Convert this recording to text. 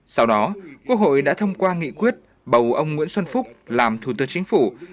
sau đó quốc hội đã thông qua nghị quyết bầu ông nguyễn xuân phúc làm thủ tướng chính phủ